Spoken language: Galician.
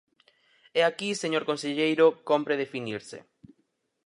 E aquí, señor conselleiro, cómpre definirse.